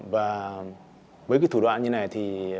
và với cái thủ đoạn như này thì